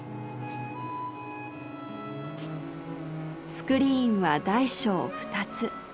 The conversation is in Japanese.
スクリーンは大小２つ。